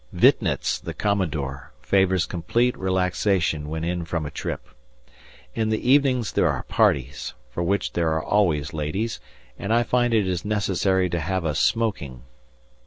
Witnitz (the Commodore) favours complete relaxation when in from a trip. In the evenings there are parties, for which there are always ladies, and I find it is necessary to have a "smoking."